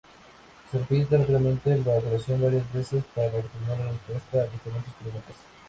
Se repite rápidamente la operación varias veces para obtener la respuesta a diferentes preguntas.